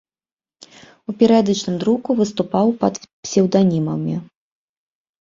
У перыядычным друку выступаў пад псеўданімамі.